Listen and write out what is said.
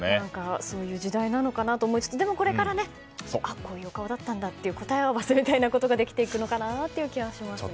そういう時代なのかなと思いつつこれからこういう顔だったんだみたいな答え合わせができていくのかなという気がしますね。